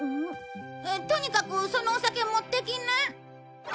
とにかくそのお酒持ってきな。